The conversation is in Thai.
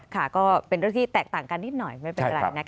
ค่ะก็เป็นเรื่องที่แตกต่างกันนิดหน่อยไม่เป็นไรนะคะ